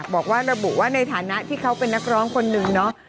บอกว่าระบุว่าในฐานะที่เขาเป็นนักร้องคนนึงเนาะ